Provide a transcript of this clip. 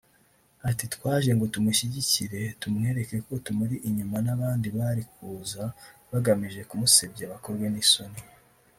Ati “twaje ngo tumushyigikire tumwereke ko tumuri inyuma […] n’ abandi bari kuza bagamije kumusebya bakorwe n’isoni”